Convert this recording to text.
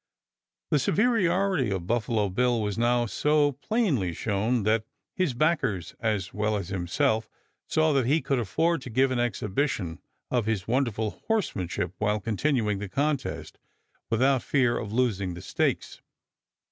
The superiority of Buffalo Bill was now so plainly shown that his backers, as well as himself, saw that he could afford to give an exhibition of his wonderful horsemanship, while continuing the contest, without fear of losing the stakes.